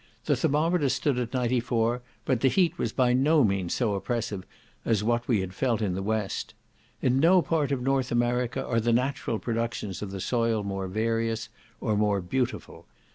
The thermometer stood at 94, but the heat was by no means so oppressive as what we had felt in the West. In no part of North America are the natural productions of the soil more various, or more beautiful.